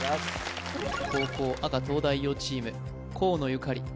後攻赤東大王チーム河野ゆかり